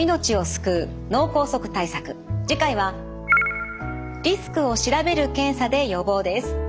次回はリスクを調べる検査で予防です。